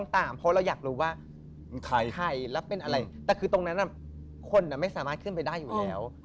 แต่คือตรงนั้นอ่ะคนอ่ะไม่สามารถขึ้นไปได้อยู่แล้ว